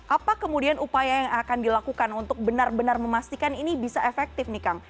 apa kemudian upaya yang akan dilakukan untuk benar benar memastikan ini bisa efektif nih kang